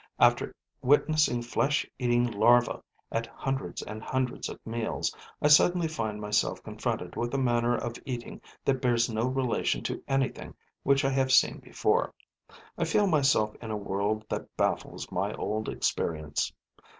After witnessing flesh eating larvae at hundreds and hundreds of meals, I suddenly find myself confronted with a manner of eating that bears no relation to anything which I have seen before. I feel myself in a world that baffles my old experience.